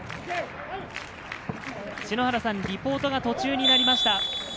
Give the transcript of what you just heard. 篠原さん、リポートが途中になりました。